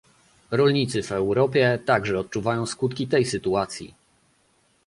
Rolnicy w Europie także odczuwają skutki tej sytuacji